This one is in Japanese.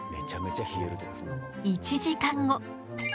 １時間後。